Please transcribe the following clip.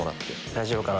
大丈夫かな？